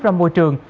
ra môi trường